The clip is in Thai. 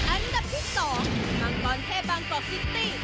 อันดับที่๒มังกรเทพบางกอกซิตี้